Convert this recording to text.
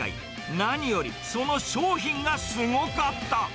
何よりその商品がすごかった。